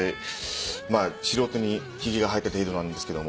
まあ素人にひげが生えた程度なんですけども。